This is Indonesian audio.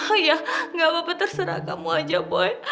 oh ya gak apa apa terserah kamu aja boy